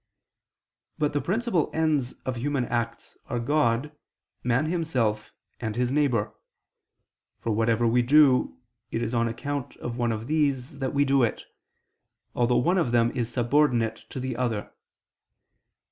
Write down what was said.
But the principal ends of human acts are God, man himself, and his neighbor: for whatever we do, it is on account of one of these that we do it; although one of them is subordinate to the other.